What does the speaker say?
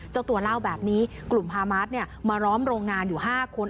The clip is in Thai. เจ้าตัวเล่าแบบนี้กลุ่มฮามาสมาล้อมโรงงานอยู่๕คน